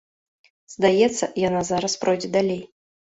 Здаецца, яна зараз пройдзе далей.